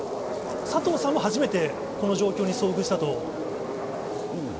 佐藤さんも初めてこの状況に遭遇したと？